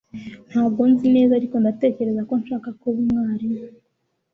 Ntabwo nzi neza ariko ndatekereza ko nshaka kuba umwarimu